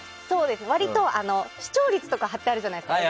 割と視聴率とか貼ってあるじゃないですか。